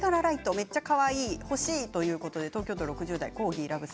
めっちゃかわいい、欲しいということで東京都６０代の方からです。